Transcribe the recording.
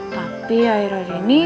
tapi akhir akhir ini